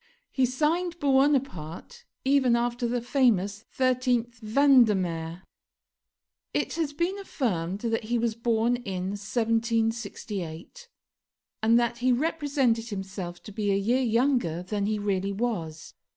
He signed Buonaparte even after the famous 13th Vendemiaire. It has been affirmed that he was born in 1768, and that he represented himself to be a year younger than he really was.